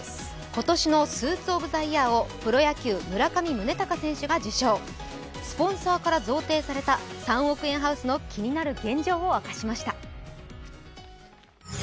今年のスーツ・オブ・ザ・イヤーをプロ野球、村上宗隆選手が受賞スポンサーから贈呈された３億円ハウスの気になる現状を明かしました。